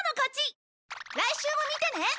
来週も見てね！